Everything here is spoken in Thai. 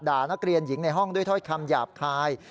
นักเรียนหญิงในห้องด้วยถ้อยคำหยาบคาย